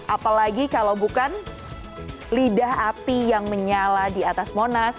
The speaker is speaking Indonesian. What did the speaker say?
apalagi kalau bukan lidah api yang menyala di atas monas